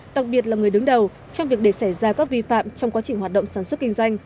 đặc biệt là người đứng đầu trong việc để xảy ra các vi phạm trong quá trình hoạt động sản xuất kinh doanh